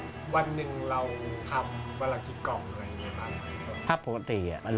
วันหนึ่งเราทำวันละกิ๊บกล่องอะไรอย่างนี้บ้าง